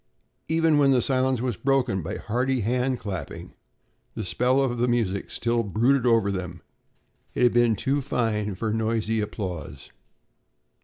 Even when the silence was broken by hearty hand clapping, the spell of the music still brooded over them. It had been too fine for noisy applause.